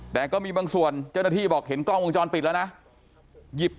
แต่ก็มีบางส่วนเจ้าหน้าที่บอกเห็นกล้องวงจรปิดแล้วนะ